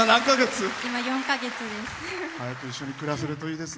４か月です。